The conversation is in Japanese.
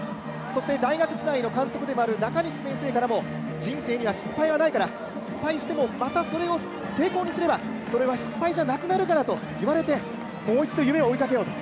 そして大学時代の監督でもあるナカニシ先生からも人生には失敗はないから、失敗してもまたそれを成功にしてもそれは失敗じゃなくなるからと言われてもう一度、夢を追いかけようと。